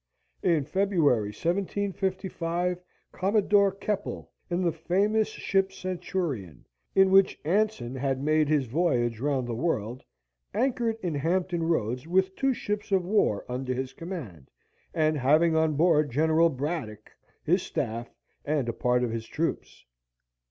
In February, 1755, Commodore Keppel, in the famous ship Centurion, in which Anson had made his voyage round the world, anchored in Hampton Roads with two ships of war under his command, and having on board General Braddock, his staff, and a part of his troops.